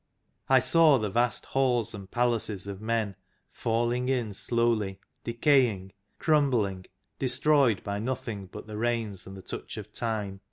I saw the vast Halls and Palaces of men falling in slowly, decaying, crumbling, destroyed by nothing but the rains and the touch of Time.